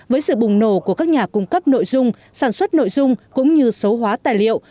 với sự bùng nổ của các nhà cung cấp nội dung sản xuất nội dung cũng như số hóa tài liệu